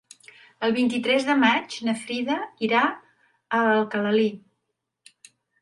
El vint-i-tres de maig na Frida irà a Alcalalí.